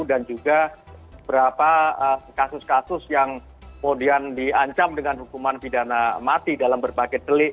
dan juga berapa kasus kasus yang kemudian diancam dengan hukuman pidana mati dalam berbagai delik